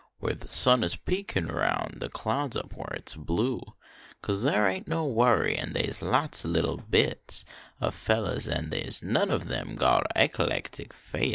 Where the sun is peekin round The clouds, up where it s blue ? Cause there they ain t no worry An they s lots o little bits Of fellers, an they s none of em Got ec a lec tic fits.